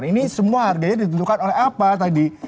ini semua harganya ditentukan oleh apa tadi